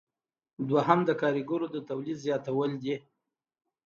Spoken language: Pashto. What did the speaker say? دوهم د کاریګرانو د تولید زیاتول دي.